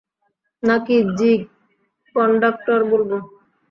নাকি জিগ কন্ডাক্টর বলবো?